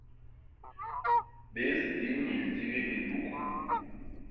Bés di nnyil ndigi i luk.